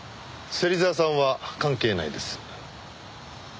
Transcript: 芹沢さんは関係ないです。